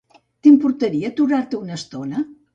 T'importaria aturar-te una estona?